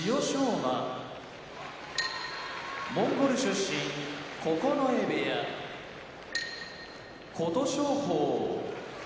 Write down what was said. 馬モンゴル出身九重部屋琴勝峰